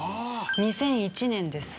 ２００１年です。